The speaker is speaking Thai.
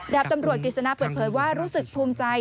ดาบตำรวจกฤษณะเปิดเผยว่ารู้สึกภูมิใจ